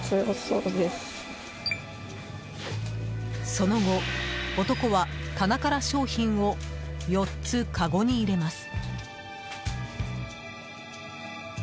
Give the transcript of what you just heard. その後、男は棚から商品を４つかごに入れます。